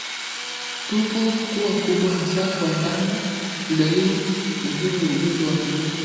Tumbo kuwa kubwa hasa kwa ndama ni dalili muhimu ya ugonjwa wa minyoo